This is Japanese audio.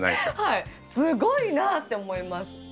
すごいなって思います。